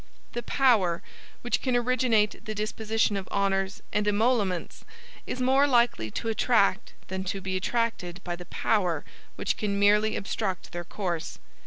The POWER which can originate the disposition of honors and emoluments, is more likely to attract than to be attracted by the POWER which can merely obstruct their course.